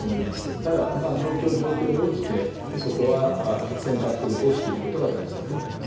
ただ、状況状況に応じて、そこは選択をしていくことが大事だと思います。